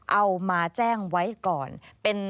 เอามาแจ้งไว้ก่อน